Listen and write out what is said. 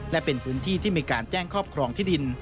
และเป็นพื้นที่ที่มีการแจ้งครอบครองที่ดิน